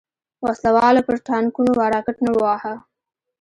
وسله والو پر ټانګونو راکټ نه وواهه.